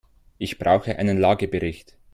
Ich brauche einen Lagebericht.